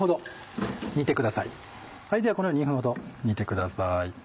このように２分ほど煮てください。